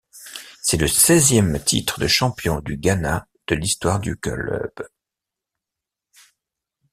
C'est le seizième titre de champion du Ghana de l'histoire du club.